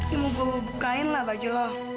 ya gue mau bukain lah baju lo